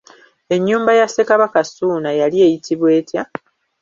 Ennyumba ya Ssekabaka Ssuuna yali eyitibwa etya?